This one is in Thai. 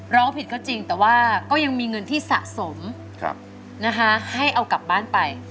ร้องผิดก็จริงแต่ว่าก็ยังมีเงินที่สะสมนะคะให้เอากลับบ้านไป